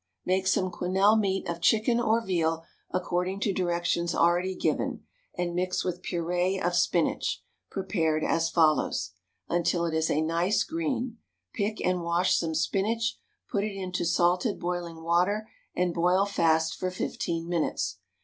_ Make some quenelle meat of chicken or veal according to directions already given, and mix with purée of spinach, prepared as follows, until it is a nice green; pick and wash some spinach, put it into salted boiling water, and boil fast for fifteen minutes.